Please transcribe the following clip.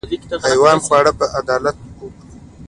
حیواني خواړه په اعتدال وخورئ.